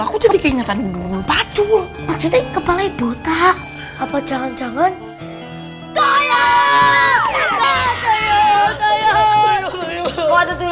aku jadi kenyataan gundul pacu maksudnya kepalanya buta apa jangan jangan tuyul